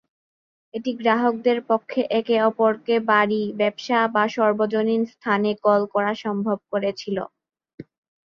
এটি গ্রাহকদের পক্ষে একে অপরকে বাড়ি, ব্যবসা, বা সর্বজনীন স্থানে কল করা সম্ভব করেছিল।